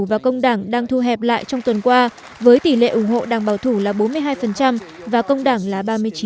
và công đảng đang thu hẹp lại trong tuần qua với tỷ lệ ủng hộ đảng bảo thủ là bốn mươi hai và công đảng là